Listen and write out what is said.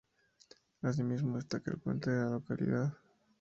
Asimismo destaca el puente de la localidad.